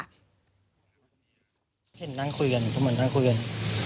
เห็นนั่งคุยกันพวกมันนั่งคุยกัน